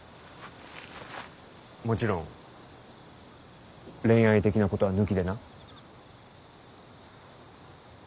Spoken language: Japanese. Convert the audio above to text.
もちろん恋愛的なことは抜きでな。